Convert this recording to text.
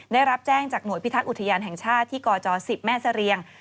ได้รับแจ้งจากหน่วยพิทักษ์อุทยานแห่งชาติที่กจ๑๐แม่เสรียง